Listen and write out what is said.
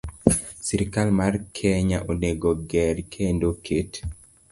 Sirkal mar Kenya onego oger kendo oket